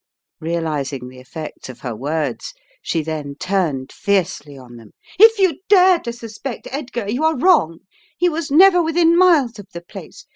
Realizing the effect of her words, she then turned fiercely on them. "If you dare to suspect Edgar, you are wrong. He was never within miles of the place